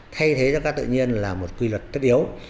thay thế cho cát tự nhiên là một quy luật tất yếu